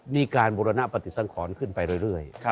มีการบุรณปฏิสังขรขึ้นไปเรื่อย